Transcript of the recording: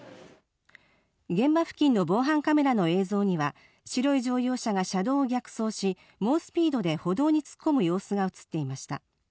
現場付近の防犯カメラの映像には白い乗用車が車道を逆走し、猛スピードで歩道に突っ込む様子が映っていました。